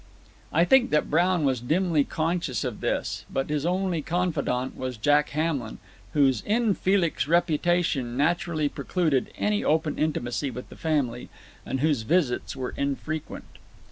I think that Brown was dimly conscious of this. But his only confidant was Jack Hamlin, whose INFELIX reputation naturally precluded any open intimacy with the family, and whose visits were infrequent.